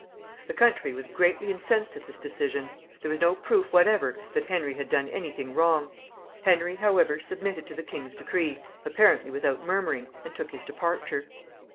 The country was greatly incensed at this decision. There was no proof whatever that Henry had done any thing wrong. Henry, however, submitted to the king's decree, apparently without murmuring, and took his departure.